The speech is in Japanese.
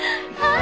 あ！